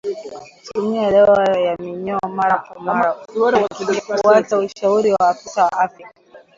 Tumia dawa ya minyoo mara kwa mara ukifuata ushauri wa afisa wa afya